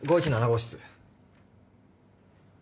５１７号室。